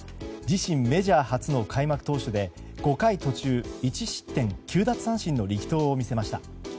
自身メジャー初の開幕投手で５回途中１失点９奪三振の力投を見せました。